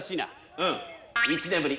うん１年ぶり。